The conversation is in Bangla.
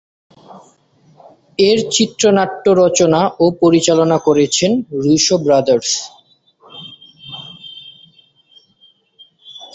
এর চিত্রনাট্য রচনা ও পরিচালনা করেছেন রুশো ব্রাদার্স।